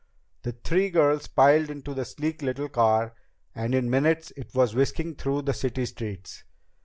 The three girls piled into the sleek little car, and in minutes it was whisking through the city streets.